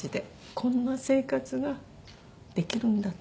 こんな生活ができるんだと。